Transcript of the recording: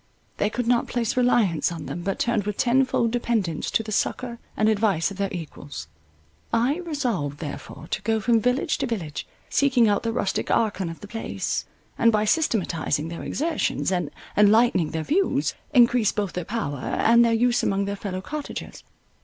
They could not place reliance on them, but turned with tenfold dependence to the succour and advice of their equals. I resolved therefore to go from village to village, seeking out the rustic archon of the place, and by systematizing their exertions, and enlightening their views, encrease both their power and their use among their fellow cottagers.